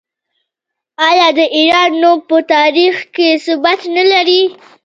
آیا د ایران نوم په تاریخ کې ثبت نه دی؟